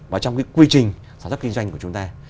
vào trong quy trình sản xuất kinh doanh của chúng ta